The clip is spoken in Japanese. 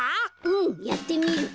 うんやってみる！